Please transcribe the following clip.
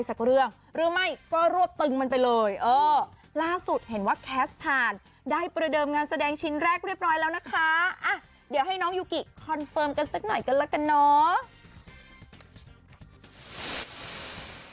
สุดเห็นว่าแคสต์ผ่านได้ประเดิมงานแสดงชิ้นแรกเรียบร้อยแล้วนะคะอ่ะเดี๋ยวให้น้องยูกิคอนเฟิร์มกันสักหน่อยกันล่ะกันเนาะ